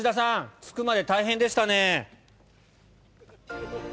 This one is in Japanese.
着くまで大変でしたね。